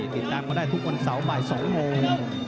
ติดตามก็ได้ทุกวันเสาร์บ่าย๒โมง